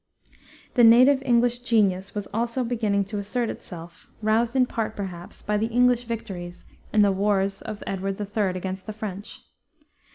The native English genius was also beginning to assert itself, roused in part, perhaps, by the English victories in the wars of Edward III. against the French.